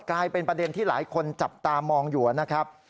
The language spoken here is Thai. กลายเป็นประเด็นที่หลายคนจับตามองอยู่นะครับ